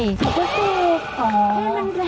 เพราะสิ่ง